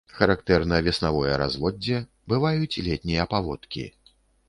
Характэрна веснавое разводдзе, бываюць летнія паводкі.